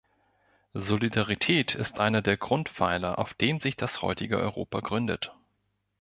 Solidarität ist einer der Grundpfeiler, auf dem sich das heutige Europa gründet.